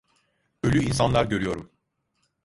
Ölü insanlar görüyorum.